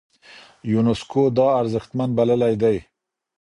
يونسکو دا ارزښتمن بللی دی.